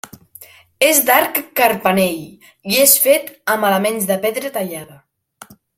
És d'arc carpanell i és fet amb elements de pedra tallada.